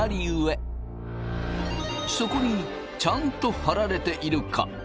そこにちゃんと貼られているか